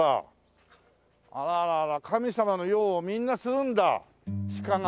あらあら神様の用をみんなするんだ鹿が。